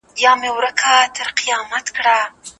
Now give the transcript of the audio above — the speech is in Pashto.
که نظم وي نو ګډوډي نه پاته کېږي.